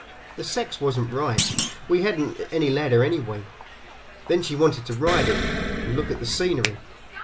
The sex wasn't right, and we hadn't any ladder anyway. Then she wanted to ride it, and look at the scenery.